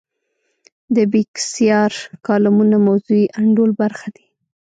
د بېکسیار کالمونه موضوعي انډول برخه دي.